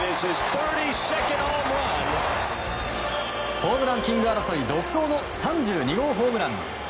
ホームランキング争い独走の３２号ホームラン。